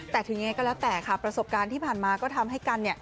แต่ถึงยังไงก็แล้วแต่ค่ะประสบการณ์ที่ผ่านมาก็ทำให้กัน